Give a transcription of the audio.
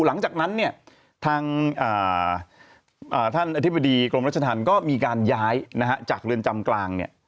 หลังจากนั้นเนี่ยทางท่านอธิบดีกรมรัชธรรมก็มีการย้ายจากเรือนจำกลางเนี่ย